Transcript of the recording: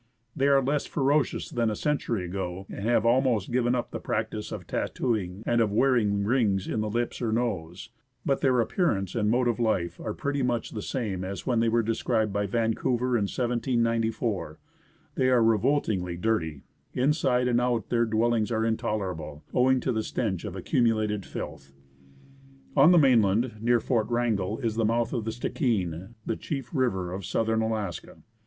They are less ferocious than a century ago, and have almost given up the practice of tattooing and of wearing rings in the lips or nose ; but their appearance and mode of life are pretty much the same as were described by Vancouver in 1794. They are revoltingly dirty ; inside and out their dwellings are intolerable, owing to the stench of accumulated filth. TOTEM POLES AT FORT WRANGEL. On the mainland, near Fort Wrangel, is the mouth of the Stikine, the chief river of Southern Alaska.